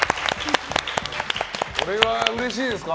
これはうれしいですか？